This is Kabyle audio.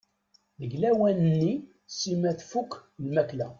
Deg lawan-nni Sima tfuk lmakla.